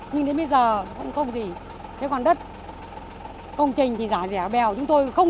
nhưng bây giờ lâm nay là quay sang thứ bốn rồi chưa xong